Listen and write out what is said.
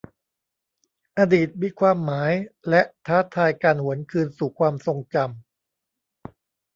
อดีตมีความหมายและท้าทายการหวนคืนสู่ความทรงจำ